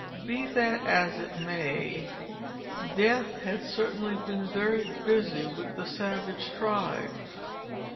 Be that as it may, death had certainly been very busy with the savage tribes.